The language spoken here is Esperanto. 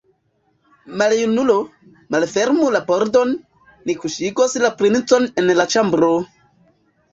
Maljunulo, malfermu la pordon, ni kuŝigos la princon en la ĉambro!